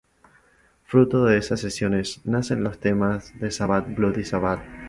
Fruto de esas sesiones nacen los temas de "Sabbath Bloody Sabbath".